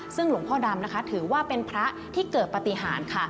ซึ่งหลวงพ่อดำนะคะถือว่าเป็นพระที่เกิดปฏิหารค่ะ